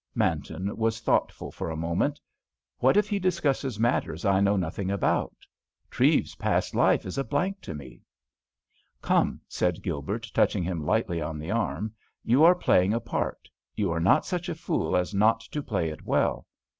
Manton was thoughtful for a moment. "What if he discusses matters I know nothing about? Treves's past life is a blank to me:" "Come," said Gilbert, touching him lightly on the arm, "you are playing a part; you are not such a fool as not to play it well.